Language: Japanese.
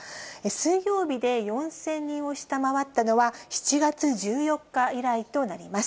水曜日で４０００人を下回ったのは７月１４日以来となります。